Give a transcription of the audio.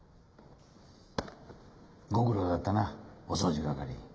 ご苦労だったなお掃除係。